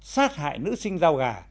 sát hại nữ sinh dao gà